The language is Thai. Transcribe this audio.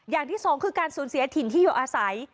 อย่างที่สองคือการสูญเสียถิ่นที่อยู่อาศัย